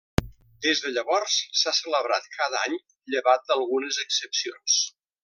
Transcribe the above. Des de llavors s'ha celebrat cada any, llevat d'algunes excepcions.